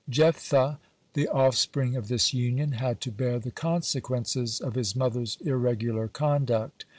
(106) Jephthah, the offspring of this union, had to bear the consequences of his mother's irregular conduct.